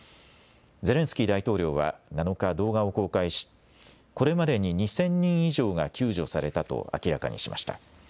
ゼレンスキー大統領は７日動画を公開しこれまでに２０００人以上が救助されたと明らかにしました。